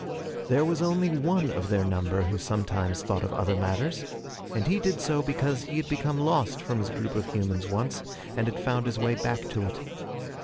There was only one of their number who sometimes thought of other matters, and he did so because he had become lost from his group of humans once, and had found his way back to it.